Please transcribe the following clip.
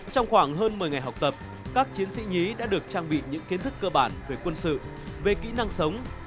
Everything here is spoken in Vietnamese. trong khoảng hơn một mươi ngày học tập các chiến sĩ nhí đã được trang bị những kiến thức cơ bản về quân sự về kỹ năng sống